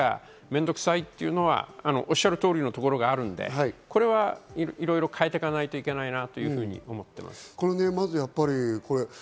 手続きが面倒くさいっていうのは、おっしゃるとおりのところがあるので、これはいろいろ変えていかないといけないなと思っています。